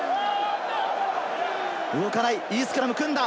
動かない、いいスクラムを組んだ。